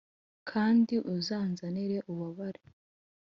kandi uzanzanire ububabare